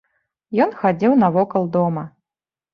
Ён хадзіў навокал дома.